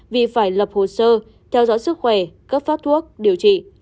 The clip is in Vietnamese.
vì phải lập hồ sơ theo dõi sức khỏe cấp phát thuốc điều trị